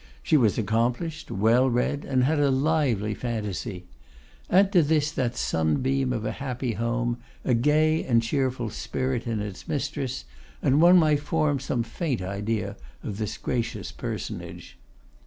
She was accomplished, well read, and had a lively fancy. Add to this that sunbeam of a happy home, a gay and cheerful spirit in its mistress, and one might form some faint idea of this gracious personage.